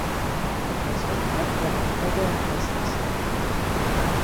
O proxecto 'Laboratorio da Paisaxe'.